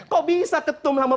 kok bisa ketum sama